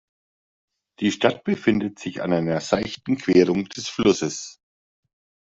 Die Stadt befindet sich an einer seichten Querung des Flusses.